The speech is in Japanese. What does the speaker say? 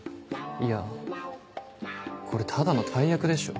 いやこれただの怠薬でしょ。